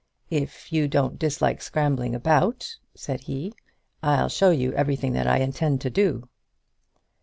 "If you don't dislike scrambling about," said he, "I'll show you everything that I intend to do."